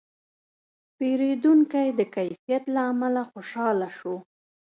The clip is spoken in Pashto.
پیرودونکی د کیفیت له امله خوشاله شو.